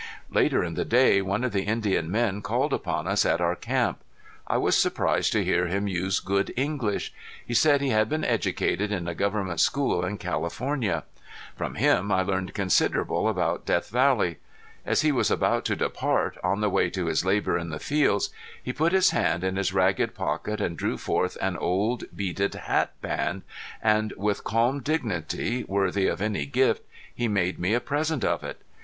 Later in the day one of the Indian men called upon us at our camp. I was surprised to hear him use good English. He said he had been educated in a government school in California. From him I learned considerable about Death Valley. As he was about to depart, on the way to his labor in the fields, he put his hand in his ragged pocket and drew forth an old beaded hat band, and with calm dignity, worthy of any gift, he made me a present of it.